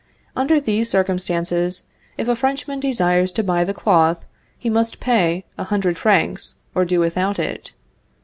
Under these circumstances, if a Frenchman desires to buy the cloth, he must pay a hundred francs, or do without it.